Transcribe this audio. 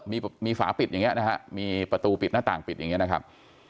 มีฝาปิดอย่างนี้นะฮะมีประตูปิดหน้าต่างปิดอย่างนี้นะครับ